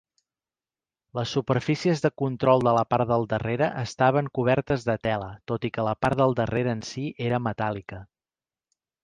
Les superfícies de control de la part del darrere estaven cobertes de tela, tot i que la part del darrera en sí era metàl·lica.